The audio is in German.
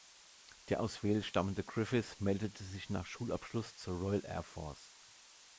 Der aus Wales stammende Griffith meldete sich nach Schulabschluss zur Royal Air Force.